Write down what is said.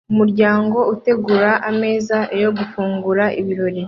Umuryango utegura ameza yo gufungura ibirori